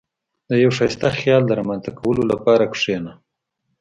• د یو ښایسته خیال د رامنځته کولو لپاره کښېنه.